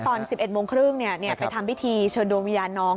ตอน๑๑โมงครึ่งไปทำพิธีเชิญดวงวิญญาณน้อง